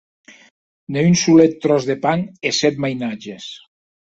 Ne un solet tròç de pan e sèt mainatges!